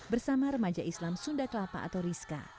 bersama remaja islam sunda kelapa atau rizka